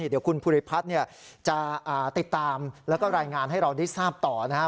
เดี๋ยวคุณภูริพัฒน์จะติดตามแล้วก็รายงานให้เราได้ทราบต่อนะครับ